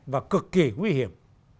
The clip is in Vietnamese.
và cực kỳ nguy hiểm